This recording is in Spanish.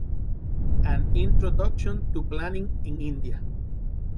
An Introduction to Planning in India.